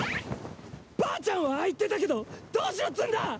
ばあちゃんはああ言ってたけどどうしろっつぅんだ！